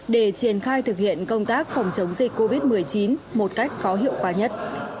để triển khai thực hiện công tác phòng chống dịch covid một mươi chín một cách có hiệu quả nhất